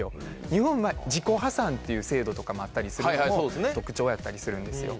日本は自己破産っていう制度とかもあったりするのも特徴やったりするんですよ。